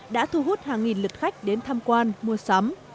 đã thu hút hàng nghìn lượt khách đến tham quan mua sắm